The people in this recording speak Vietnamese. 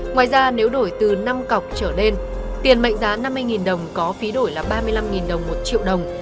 ngoài ra nếu đổi từ năm cọc trở lên tiền mệnh giá năm mươi đồng có phí đổi là ba mươi năm đồng một triệu đồng